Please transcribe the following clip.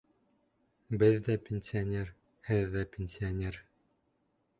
Беҙ ҙә пенсионер, һеҙ ҙә пенсионер.